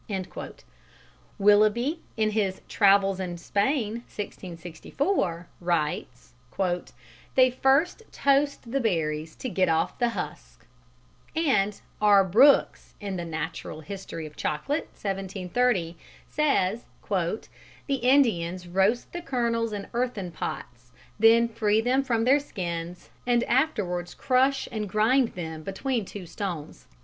Willoughby, in his Travels in Spain, (1664), writes: "They first toast the berries to get off the husk," and R. Brookes, in the Natural History of Chocolate (1730), says: "The Indians ... roast the kernels in earthen pots, then free them from their skins, and afterwards crush and grind them between two stones."